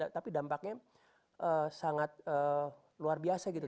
tapi dampaknya sangat luar biasa gitu